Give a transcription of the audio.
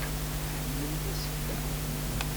Tḥemmlem tasekla?